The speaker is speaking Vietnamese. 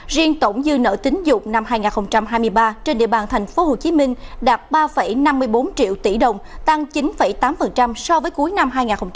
riêng tổng dư nợ tính dụng năm hai nghìn hai mươi ba trên địa bàn tp hcm đạt ba năm mươi bốn triệu tỷ đồng tăng chín tám so với cuối năm hai nghìn hai mươi hai